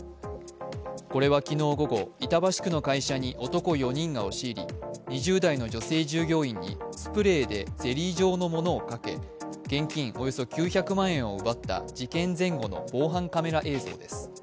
これは昨日午後、板橋区の会社に男４人が押し入り２０代の女性従業員にスプレーでゼリー状のものをかけ、現金およそ９００万円を奪った事件前後の防犯カメラ映像です。